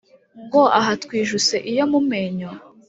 Ngo aha twijuse iyo mu menyo?